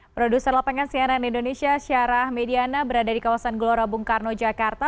produser lapangan cnn indonesia syarah mediana berada di kawasan gelora bung karno jakarta